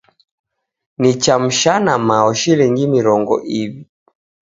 Nichamshana mao shilingi mirongo iw'i.